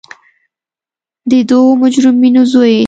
د دوو مجرمینو زوی.